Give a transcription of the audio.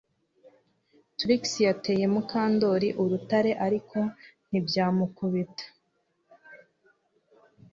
Trix yateye Mukandoli urutare ariko ntibyamukubita